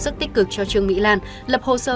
sức tích cực cho trương mỹ lan lập hồ sơ